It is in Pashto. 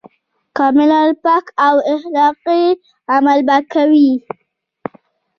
کاملاً پاک او اخلاقي عمل به کوي.